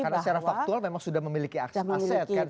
karena secara faktual memang sudah memiliki aset